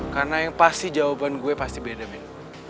karena yang pasti jawaban gue pasti beda beda